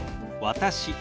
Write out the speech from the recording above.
「私」。